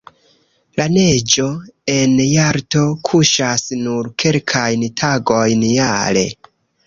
La neĝo en Jalto kuŝas nur kelkajn tagojn jare.